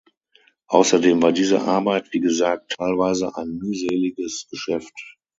Außerdem war diese Arbeit, wie gesagt, teilweise ein mühseliges Geschäft.